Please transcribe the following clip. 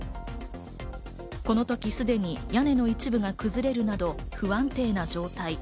このときすでに屋根の一部が崩れるなど、不安定な状態。